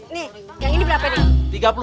ini yang ini berapa nih